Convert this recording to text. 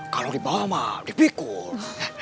kalau dibawa mah dipikul